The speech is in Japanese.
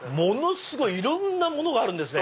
いろんなものがあるんですね。